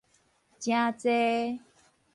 誠濟